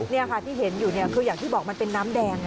นี่ค่ะที่เห็นอยู่เนี่ยคืออย่างที่บอกมันเป็นน้ำแดง